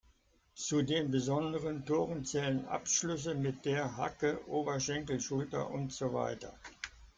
Zu den besonderen Toren zählen Abschlüsse mit der Hacke, Oberschenkel, Schulter usw.